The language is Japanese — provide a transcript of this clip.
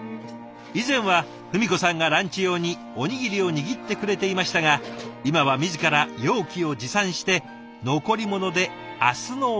以前は文子さんがランチ用におにぎりを握ってくれていましたが今は自ら容器を持参して残り物で明日の弁当作りを。